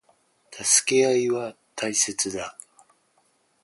助け合いは大切だ。